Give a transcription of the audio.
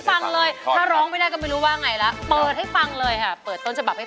สำรักผู้หญิงทำไมนี่ยังน่อยกว่าแสนหนึ่งผมให้สองแสนเลย